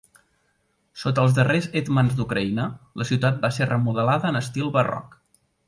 Sota els darrers hetmans d'Ucraïna, la ciutat va ser remodelada en estil barroc.